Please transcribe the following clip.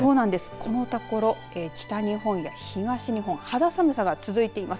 このところ北日本や東日本肌寒さが続いています。